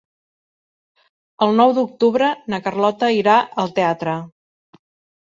El nou d'octubre na Carlota irà al teatre.